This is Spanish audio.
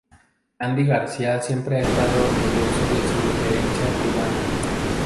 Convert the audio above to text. Andy García siempre ha estado orgulloso de su herencia cubana.